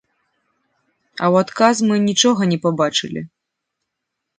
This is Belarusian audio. А ў адказ мы нічога не пабачылі.